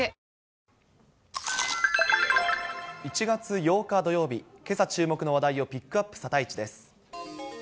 １月８日土曜日、けさ注目の話題をピックアップ、サタイチです。